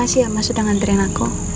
makasih ya mas sudah nganterin aku